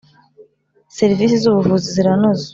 serivisi zubuvuzi ziranoze.